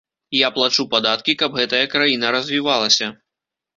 Я плачу падаткі, каб гэтая краіна развівалася.